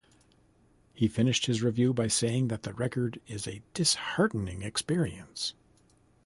He finished his review by saying that the record is a disheartening experience.